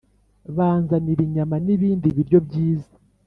banzanira inyama n'ibindi biryo byiza.